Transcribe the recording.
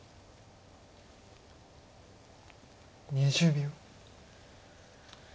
２０秒。